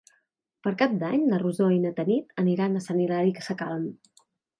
Per Cap d'Any na Rosó i na Tanit aniran a Sant Hilari Sacalm.